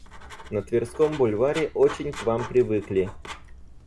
На Тверском бульваре очень к вам привыкли.